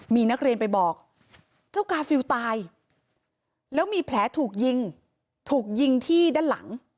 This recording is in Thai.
มีนักเรียนไปบอกเจ้ากาฟิลตายแล้วมีแผลถูกยิงถูกยิงที่ด้านหลัง